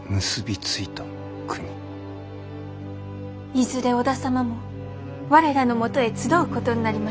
いずれ織田様も我らのもとへ集うことになりましょう。